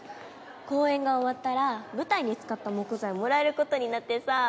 公演が終わったら舞台に使った木材をもらえることになってさ。